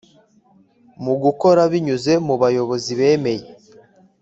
mugukora binyuze mubayobozi bemeye